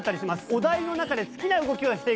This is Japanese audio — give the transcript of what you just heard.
お題の中で好きな動きをしていく。